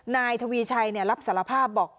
นายทวีชัยรับสารภาพบอก